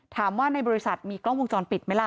ถามว่าในบริษัทมีกล้องวงชนปิดมั้ยล่ะ